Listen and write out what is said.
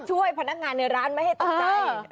ช่วยพนักงานในร้านไม่ให้ตกใจ